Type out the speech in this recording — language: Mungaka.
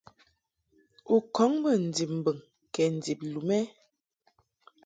U kɔŋ bə ndib mbɨŋ kɛ ndib lum ɛ?